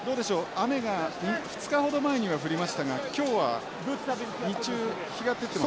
雨が２日ほど前には降りましたが今日は日中日が照ってましたね。